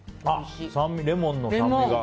レモンの酸味が。